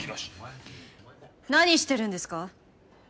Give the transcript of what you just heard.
何してるんですか？